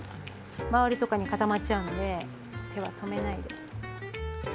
周りとかに固まっちゃうので手は止めないで。